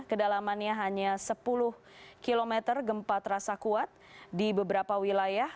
kedalamannya hanya sepuluh km gempa terasa kuat di beberapa wilayah